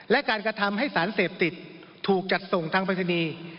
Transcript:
และการกระทำให้สารเสพติดถูกจัดส่งทางปริศนีย์